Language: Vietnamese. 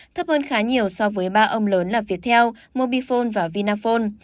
thấp hơn khá nhiều so với ba ông lớn là viettel mobifone và vinaphone